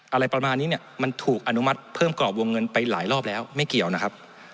อะไรประมาณนี้เนี่ยมันถูกอนุมัติเพิ่มกรอบวงเงินไปหลายรอบแล้วไม่เกี่ยวนะครับ